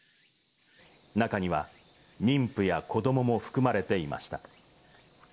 中には、妊婦や子どもも含まれていました。